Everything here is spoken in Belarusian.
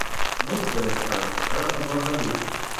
Муж прыязджае раз на два гады.